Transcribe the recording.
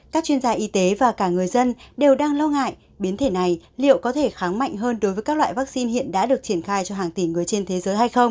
các chuyên gia y tế và cả người dân đều đang lo ngại biến thể này liệu có thể kháng mạnh hơn đối với các loại vaccine hiện đã được triển khai cho hàng tỷ người trên thế giới hay không